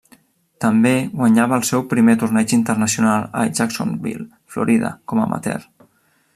També guanyava el seu primer torneig internacional a Jacksonville, Florida com a amateur.